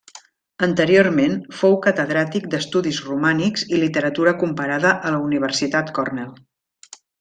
Anteriorment fou catedràtic d'Estudis Romànics i Literatura Comparada a la Universitat Cornell.